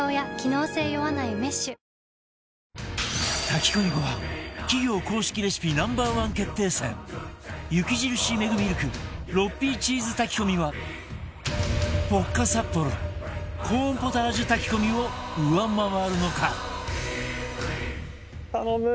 炊き込みご飯企業公式レシピ Ｎｏ．１ 決定戦雪印メグミルク ６Ｐ チーズ炊き込みはポッカサッポロコーンポタージュ炊き込みを上回るのか？